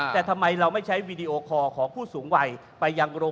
แต่ทำไมเราไม่ใช้วิดีโอคอล์ของผู้สูงวัย